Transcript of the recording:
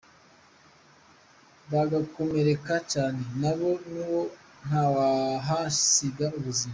bagakomereka cyane nabo, nubwo ntawahasize ubuzima.